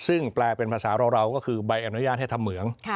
ซึ่งแปลเป็นภาษาเราก็คือใบอนุญาตให้ทำเหมือง